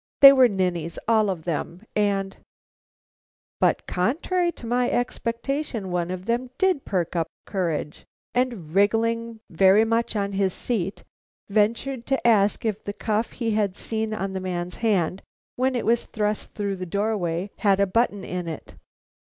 They were ninnies, all of them, and But, contrary to my expectation, one of them did perk up courage, and, wriggling very much on his seat, ventured to ask if the cuff he had seen on the man's hand when it was thrust through the doorway had a button in it.